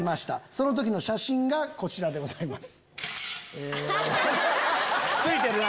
その時の写真がこちらでございます。